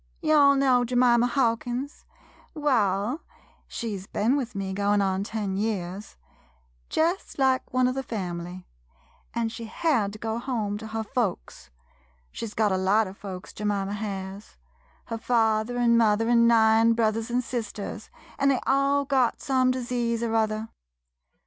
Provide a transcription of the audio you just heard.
Ye all know Jemima Hawkins — waal, she 's ben with me goin' on ten years — jest like one of the family, an' she had to go home to her folks — she 's got a lot of folks, Je mima has — her father an' mother an' nine brothers an' sisters, an' they all got some dis ease or other.